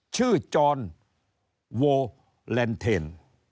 ชื่อจอห์นโวแลนเทน